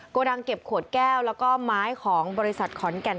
โกดังเก็บขวดแก้วแล้วก็ไม้ของบริษัทขอนแก่น